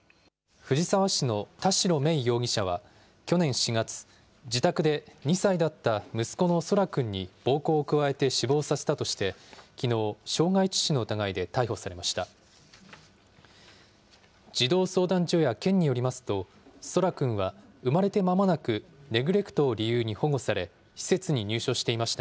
藤沢市の田代芽衣容疑者は去年４月、自宅で２歳だった息子の空来くんに暴行を加えて死亡させたとして、きのう、傷害致死の疑いで逮捕されました。